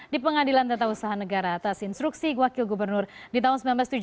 di pengadilan tata usaha negara atas instruksi wakil gubernur di tahun seribu sembilan ratus tujuh puluh